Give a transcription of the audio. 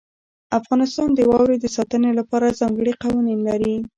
افغانستان د واورې د ساتنې لپاره ځانګړي قوانین لري.